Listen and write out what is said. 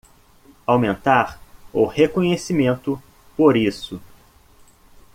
Aumentar o reconhecimento por isso